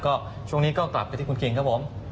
ก็ช่วงนี้ก็กลับไปที่คุณคิงครับผม